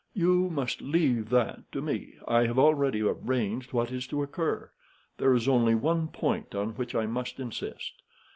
"You must leave that to me. I have already arranged what is to occur. There is only one point on which I must insist.